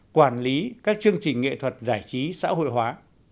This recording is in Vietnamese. quản lý các chương trình nghệ thuật giải trí xã hội hóa